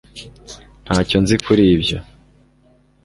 Ntacyo nzi kuri ibyo